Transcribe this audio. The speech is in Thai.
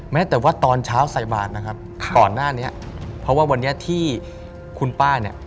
แม้แต่ว่าตอนเช้าใส่บาทนะครับก่อนหน้านี้เพราะว่าวันนี้ที่คุณป้าเนี่ย